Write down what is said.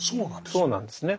そうなんですね。